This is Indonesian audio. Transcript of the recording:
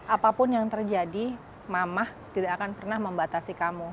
apapun yang terjadi mamah tidak akan pernah membatasi kamu